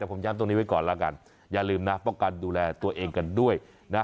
ผมย้ำตรงนี้นะครับอย่าลืมปักการดูแลตัวเองกันด้วย